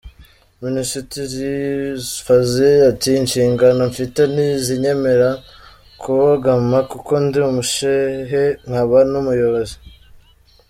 Minisitiri Fazila ati “Inshingano mfite ntizinyemera kubogama kuko ndi Umushehe nkaba n’Umuyobozi.